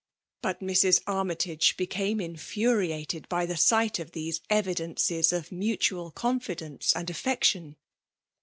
But Mts. Armytage beeaAe ' infiuriated by the sight of these eridences of mutual confidence and affisction.